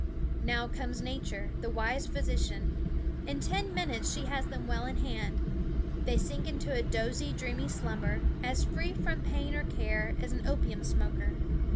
Now comes Nature, the wise physician. In ten minutes she has them well in hand. They sink into a dozy, dreamy slumber, as free from pain or care as an opium smoker.